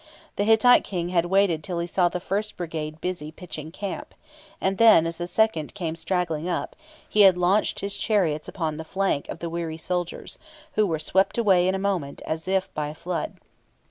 The Hittite King had waited till he saw the first brigade busy pitching camp, and then, as the second came straggling up, he had launched his chariots upon the flank of the weary soldiers, who were swept away in a moment as if by a flood.